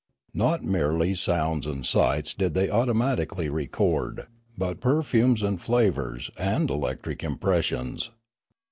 Not merely sounds and sights did they automatically record, but perfumes, and flavours, and electric impressions.